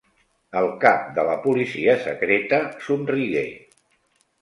El cap de la policia secreta somrigué.